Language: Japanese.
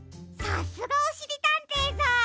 さすがおしりたんていさん！